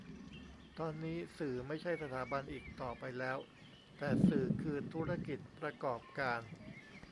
ตอนนี้สื่อไม่ใช่สถาบันอีกต่อไปแล้ว แต่สื่อคือธุรกิจประกอบการ